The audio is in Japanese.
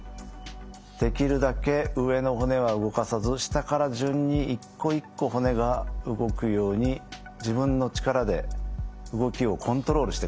できるだけ上の骨は動かさず下から順に一個一個骨が動くように自分の力で動きをコントロールしてください。